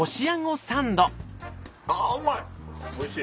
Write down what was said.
あうまい！